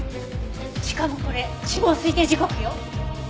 しかもこれ死亡推定時刻よ。